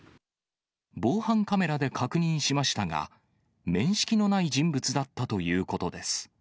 防犯カメラで確認しましたが、面識のない人物だったということです。